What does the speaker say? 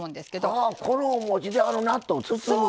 ああこのおもちであの納豆包む。